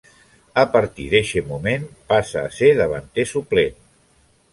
A partir d'eixe moment, passa a ser davanter suplent.